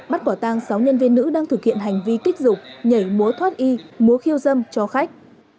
bắt quả tang sáu nhân viên nữ đang thực hiện hành vi kích dục nhảy múa thoát y múa khiêu dâm cho khách